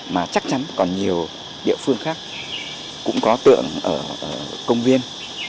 mà chắc chắn còn nhiều địa phương khác cũng có tượng ở công viên